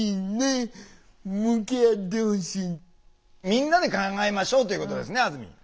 みんなで考えましょうということですねあずみん。